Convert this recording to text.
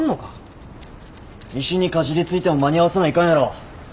石にかじりついても間に合わせないかんやろ。